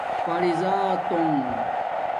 پری زاتونݣ